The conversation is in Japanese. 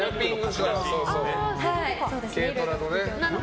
軽トラのね。